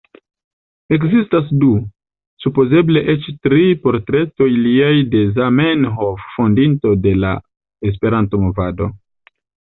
Ekzistas du, supozeble eĉ tri portretoj liaj de Zamenhof fondinto de la Esperanto-movado.